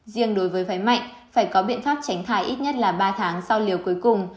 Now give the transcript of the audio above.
riêng đối với phái mạnh phải có biện pháp tránh thai ít nhất là ba tháng sau liều cuối cùng